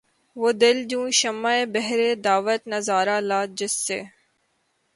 وہ دل جوں شمعِ بہرِ دعوت نظارہ لا‘ جس سے